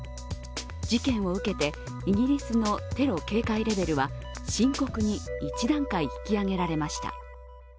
事件を受けて、イギリスのテロ警戒レベルは「深刻」に１段階引き上げられました。